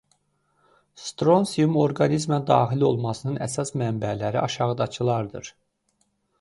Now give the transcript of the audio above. Stronsium orqanizmə daxil olmasının əsas mənbələri aşağıdakılardır.